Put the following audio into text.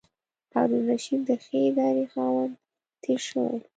هارون الرشید د ښې ادارې خاوند تېر شوی.